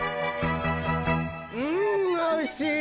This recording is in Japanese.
うんおいしい！